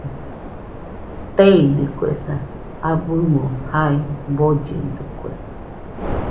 Teeidɨkuesa, abɨmo jae bollidɨkue